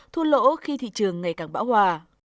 thua lỗ khi thị trường ngày càng bão hòa